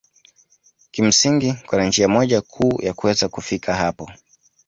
Kimsingi kuna njia moja kuu ya kuweza kufika hapo